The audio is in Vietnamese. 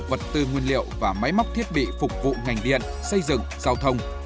vật tư nguyên liệu và máy móc thiết bị phục vụ ngành điện xây dựng giao thông